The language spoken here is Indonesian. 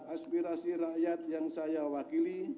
aspirasi rakyat yang saya wakili